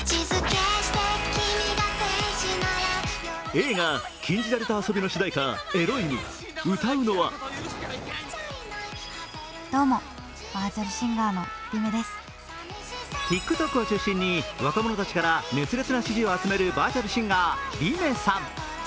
映画「禁じられた遊び」の主題歌、「えろいむ」歌うのはＴｉｋＴｏｋを中心に若者たちから熱烈な支持を集めるバーチャルシンガー、理芽さん。